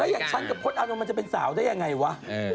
อย่างฉันกับพลตอานนท์มันจะเป็นสาวได้ยังไงวะ